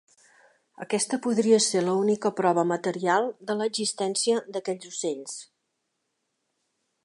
Aquesta podria ser l'única prova material de l'existència d'aquests ocells.